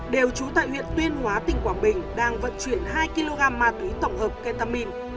đều trú tại huyện tuyên hóa tỉnh quảng bình đang vận chuyển hai kg ma túy tổng hợp ketamin